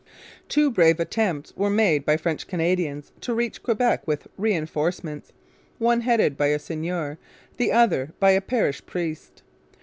Two brave attempts were made by French Canadians to reach Quebec with reinforcements, one headed by a seigneur, the other by a parish priest.